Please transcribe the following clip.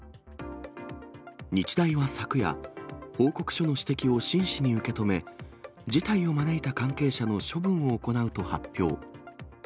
日大は昨夜、報告書の指摘を真摯に受け止め、事態を招いた関係者の処分を行うと発表。